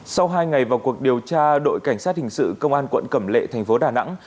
sau hai ngày vào cuộc điều tra đội cảnh sát hình sự công an quận cẩm lệ thành phố đà nẵng